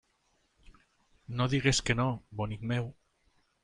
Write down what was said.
No digues que no, bonic meu.